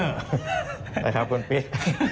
อะไรครับคุณปิ๊ด